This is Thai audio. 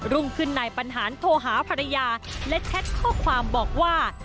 รุ่งขึ้นนายบรรหารโทรหาภรรยาและแชทข้อความบอกว่า